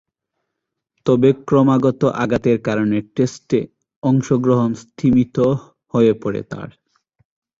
তবে, ক্রমাগত আঘাতের কারণে টেস্টে অংশগ্রহণ স্তিমিত হয়ে পড়ে তার।